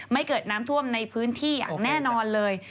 เกิดน้ำท่วมในพื้นที่อย่างแน่นอนเลย